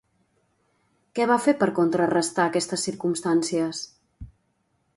Què va fer per contrarestar aquestes circumstàncies?